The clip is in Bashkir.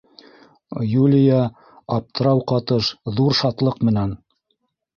Юлия аптырау ҡатыш ҙур шатлыҡ менән: